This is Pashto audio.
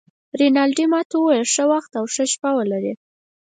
رینالډي ما ته وویل: ښه وخت او ښه شپه ولرې.